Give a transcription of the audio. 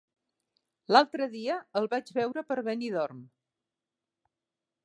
L'altre dia el vaig veure per Benidorm.